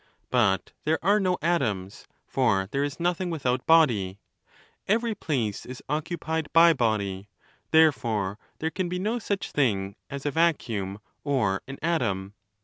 But there are no atoms, for there is nothing without body; every place is occupied by body, therefore there can be no such thing as a vacuum or an atom.